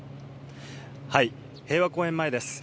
平和公園前です。